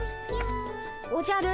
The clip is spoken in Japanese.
おじゃる